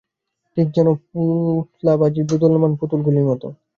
ঠিক যেন পুৎলাবজির দোদুল্যমান পুতুলগুলি মতো।